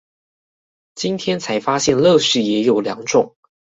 今天才發現樂事也有兩種